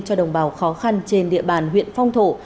cho đồng bào khó khăn trên địa bàn huyện phong thổ